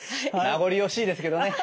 名残惜しいですけどね。